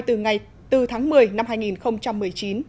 từ ngày bốn tháng một mươi năm hai nghìn một mươi chín